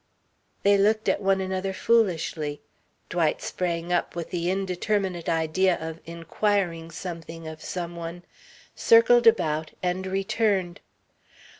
They looked at one another foolishly. Dwight sprang up with the indeterminate idea of inquiring something of some one, circled about and returned.